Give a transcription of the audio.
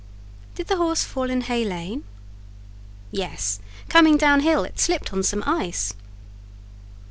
"Did the horse fall in Hay Lane?" "Yes, coming down hill; it slipped on some ice."